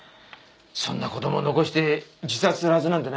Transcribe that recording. そんな子供を残して自殺するはずなんてないんだ。